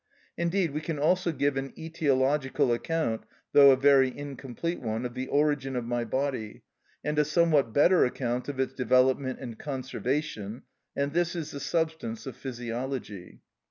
Indeed we can also give an etiological account, though a very incomplete one, of the origin of my body, and a somewhat better account of its development and conservation, and this is the substance of physiology.